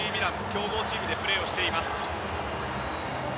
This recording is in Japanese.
強豪チームでプレーをしています。